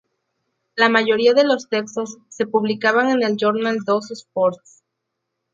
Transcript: La mayoría de los textos se publicaban en el Jornal dos Sports.